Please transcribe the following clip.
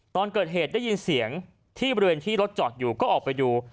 ตอนเกิดเหตุได้ยินเสียงที่บริเวณที่รถจอดอยู่ก็ออกไปดู